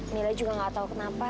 mila juga gak tau kenapa